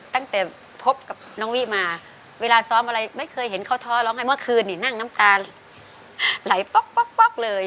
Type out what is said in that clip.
ตั้งแต่พบกับน้องวิมาเวลาซ้อมอะไรไม่เคยเห็นเขาท้อร้องไห้เมื่อคืนนี่นั่งน้ำตาไหลป๊อกเลย